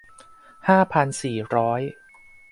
ห้าพันสี่ร้อย